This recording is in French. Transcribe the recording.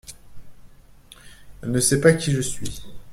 Elle ne sait pas qui je suis.